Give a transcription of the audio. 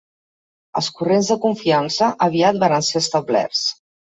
Els corrents de confiança aviat varen ser establerts